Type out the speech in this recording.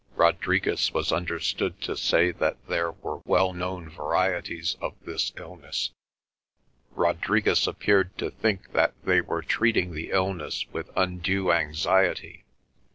Rodriguez was understood to say that there were well known varieties of this illness. Rodriguez appeared to think that they were treating the illness with undue anxiety.